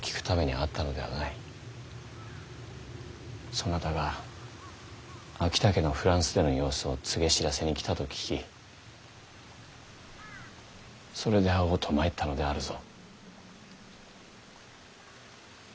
そなたが昭武のフランスでの様子を告げ報せに来たと聞きそれで会おうと参ったのであるぞ。